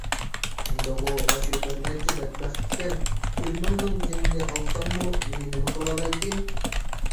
ھېلىغۇ ئاشۇ بىرنەچچە بەتبەخت ئىكەن، كۈرمىڭىنىڭ جېنىنى ئالساممۇ مېنى نېمە قىلالايتتى؟